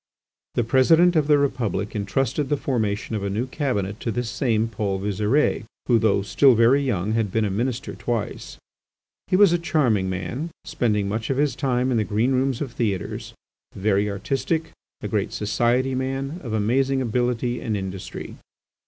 The President of the Republic entrusted the formation of a new Cabinet to this same Paul Visire, who, though still very young, had been a Minister twice. He was a charming man, spending much of his time in the green rooms of theatres, very artistic, a great society man, of amazing ability and industry.